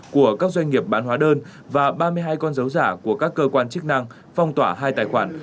của các doanh nghiệp bán hóa đơn và ba mươi hai con dấu giả của các cơ quan chức năng phong tỏa hai tài khoản